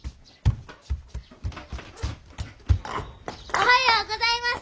おはようございます！